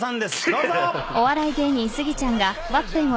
どうぞ！